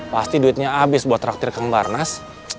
pasti duitnya habis buat traktir kang barnas